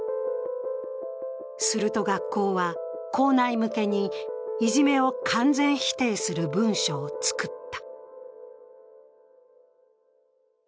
すると学校は校内向けにいじめを完全否定する文書を作った。